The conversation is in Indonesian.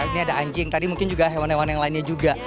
ini ada anjing tadi mungkin juga hewan hewan yang lainnya juga